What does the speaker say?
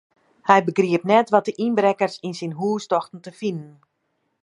Hy begriep net wat de ynbrekkers yn syn hús tochten te finen.